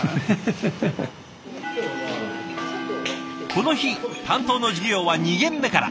この日担当の授業は２限目から。